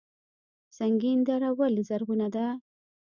سنګین دره ولې زرغونه ده؟